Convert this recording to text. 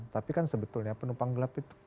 tapi kan sebetulnya penumpang gelap itu